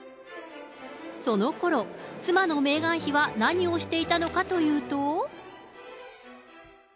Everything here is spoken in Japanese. そのころ、妻のメーガン妃は何をしていたのかというと。